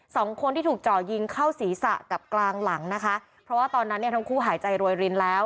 สองคนที่ถูกจ่อยิงเข้าศีรษะกับกลางหลังนะคะเพราะว่าตอนนั้นเนี่ยทั้งคู่หายใจรวยรินแล้ว